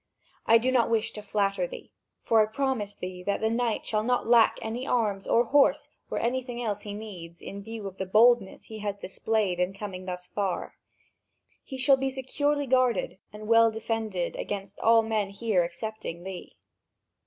I do not wish to flatter thee, for I promise that the knight shall not lack any arms, or horse or anything else he needs, in view of the boldness he has displayed in coming thus far. He shall be securely guarded and well defended against all men here excepting thee.